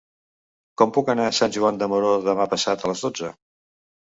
Com puc anar a Sant Joan de Moró demà passat a les dotze?